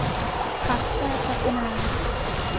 พรรคชาติพัฒนา